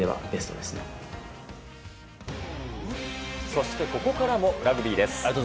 そして、ここからもラグビーです。